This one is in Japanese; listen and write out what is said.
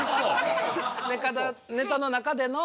ネタの中での。